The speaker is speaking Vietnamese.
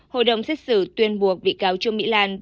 hội đồng xét xử tuyên buộc bị cáo trương mỹ lan